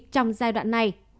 trong giai đoạn này